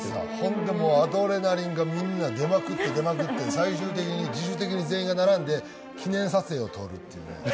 ほんでアドレナリンがもうみんな出まくって、出まくって、最終的に自主的に全員が並んで記念撮影を撮るという。